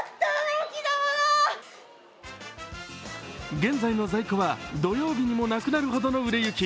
現在の在庫は土曜日にもなくなるほどの売れ行き。